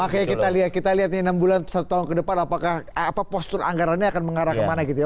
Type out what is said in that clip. makanya kita lihat enam bulan satu tahun ke depan apakah postur anggarannya akan mengarah kemana gitu ya